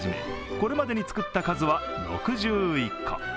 これまでに作った数は６１個。